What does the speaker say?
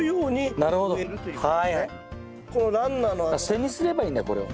背にすればいいんだこれを。